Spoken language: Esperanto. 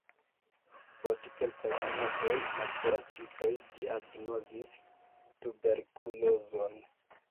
Post kelkaj monatoj la kuracistoj diagnozis tuberkulozon.